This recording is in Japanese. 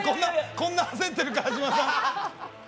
こんな焦ってる川島さん。